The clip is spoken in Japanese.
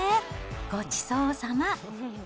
ごちそうさま。